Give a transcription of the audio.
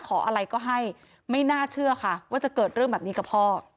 อะไรก็ให้ไม่น่าเชื่อค่ะว่าจะเกิดเรื่องแบบนี้กับพ่อ